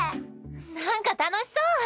なんか楽しそう！